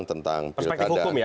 perspektif hukum ya